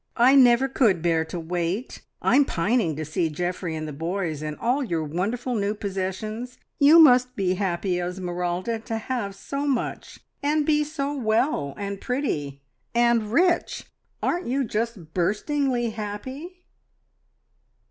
I never could bear to wait. I'm pining to see Geoffrey and the boys, and all your wonderful new possessions. You must be happy, Esmeralda, to have so much, and be so well, and pretty, and rich. Aren't you just burstingly happy?"